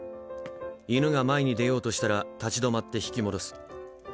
犬が前に出ようとしたら立ち止まって引き戻す。